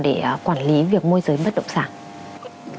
để quản lý việc môi giới bất động sản